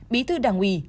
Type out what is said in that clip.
bí thư đảng ủy